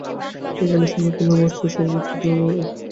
এইখানে সন্দীপবাবু আমার চেয়ে অনেক শক্ত, ওঁর একতিলও ক্ষোভ নেই।